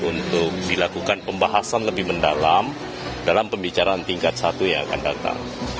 untuk dilakukan pembahasan lebih mendalam dalam pembicaraan tingkat satu yang akan datang